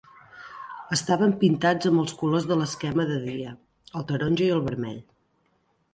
Estaven pintats amb els colors de l"esquema "de dia", el taronja i el vermell.